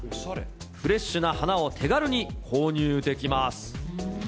フレッシュな花を手軽に購入できます。